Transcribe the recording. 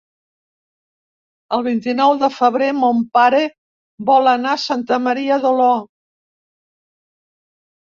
El vint-i-nou de febrer mon pare vol anar a Santa Maria d'Oló.